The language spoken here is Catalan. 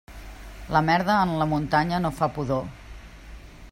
La merda en la muntanya no fa pudor.